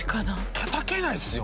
たたけないですよね